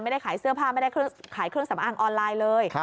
ไม่ได้ขายเสื้อผ้าไม่ได้ขายเครื่องสำอางออนไลน์เลย